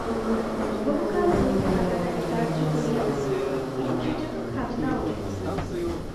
বহুকাল হইতে তাহারা এ কার্য করিয়া থাকে এবং সেজন্য খাজনাও দেয়।